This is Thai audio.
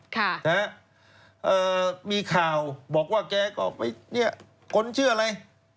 ค่ะครับมีข่าวบอกว่าแกก็คนชื่ออะไร